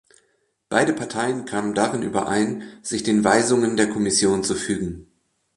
Beide Parteien kamen darin überein, sich den Weisungen der Kommission zu fügen.